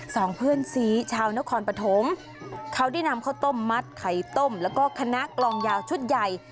สองเพื่อนสีชาวนครปฐมเขาได้นำข้าวต้มมัดไข่ต้มแล้วก็คณะกลองยาวชุดใหญ่